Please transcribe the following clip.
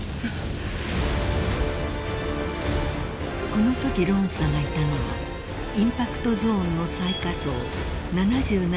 ［このときロンさんがいたのはインパクトゾーンの最下層７７階付近］